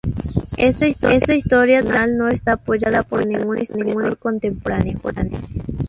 Esta historia tradicional no está apoyada por ningún historiador contemporáneo.